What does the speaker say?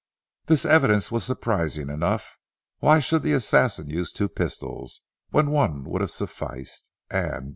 This evidence was surprising enough. Why should the assassin use two pistols, when one would have sufficed? "And?"